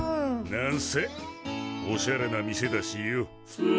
なんせおしゃれな店だしよ。